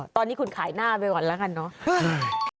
ตอนนี้คุณขายหน้าไปก่อนแล้วกันเนอะ